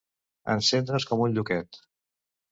Encendre's com un lluquet.